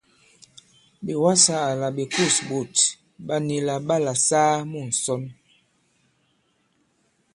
Ɓè wasā àlà ɓè kûs ɓòt ɓà nì là ɓalà saa mu ŋ̀sɔn.